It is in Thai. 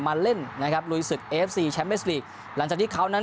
มาเล่นนะครับลุยศึกเอฟซีแชมป์เอสลีกหลังจากที่เขานั้น